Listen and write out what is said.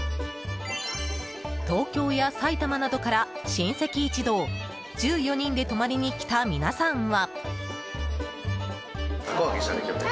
東京や埼玉などから、親戚一同１４人で泊まりに来た皆さんは。